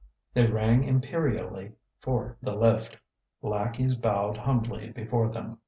They rang imperially for the lift. Lackeys bowed humbly before them.